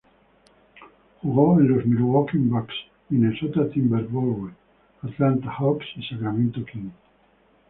Jugó en los Milwaukee Bucks, Minnesota Timberwolves, Atlanta Hawks y Sacramento Kings.